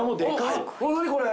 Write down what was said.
何これ。